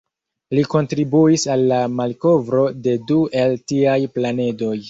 Li kontribuis al la malkovro de du el tiaj planedoj.